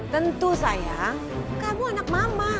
tentu sayang kamu anak mama